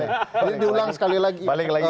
ini diulang sekali lagi